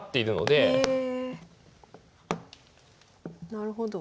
なるほど。